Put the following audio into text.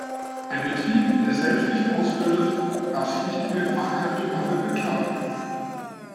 Ein Betrieb, der selbst nicht ausbildet, darf sich nicht über den Fachkräftemangel beklagen.